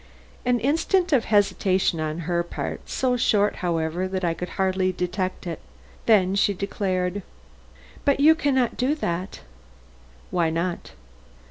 An instant of hesitation on her part, so short, however, that I could hardly detect it, then she declared: "But you can not do that." "Why not?"